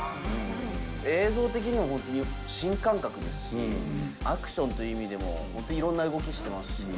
映像的にも本当に新感覚ですし、アクションという意味でも、本当いろんな動きしてますし。